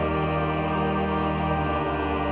tuhan yang dipercaya